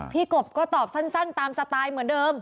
กบก็ตอบสั้นตามสไตล์เหมือนเดิม